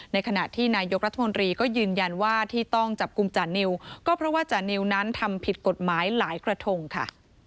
ในขณะที่นายกรัฐมนตรีก็ยืนยันว่าที่ต้องจับกลุ่มจานิวก็เพราะว่าจานิวนั้นทำผิดกฎหมายหลายกระทงค่ะ